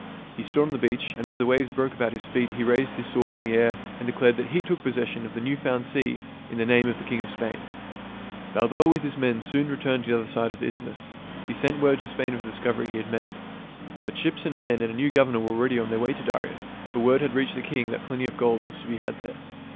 He stood on the beach, and as the waves broke about his feet he raised his sword in the air and declared that he took possession of the new found sea in the name of the king of Spain. Balboa with his men soon returned to the other side of the isthmus. He sent word to Spain of the discovery he had made. But ships and men and a new governor were already on their way to Darien ; for word had reached the king that plenty of gold was to.be had there.